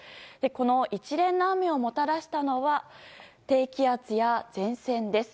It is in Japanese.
この一連の雨をもたらしたのは低気圧や前線です。